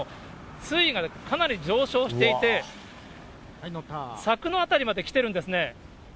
水位がかなり上昇していて、柵の辺りまで来てるんですね。